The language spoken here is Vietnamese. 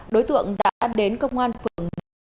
đối tượng đã đến công an phường một mươi một